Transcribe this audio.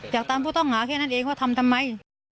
อยากตามผู้ต้องหาแค่นั้นเองว่าทำทำไม